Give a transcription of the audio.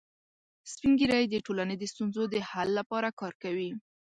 سپین ږیری د ټولنې د ستونزو د حل لپاره کار کوي